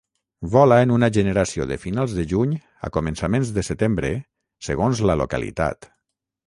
Vola en una generació de finals de juny a començaments de setembre segons la localitat.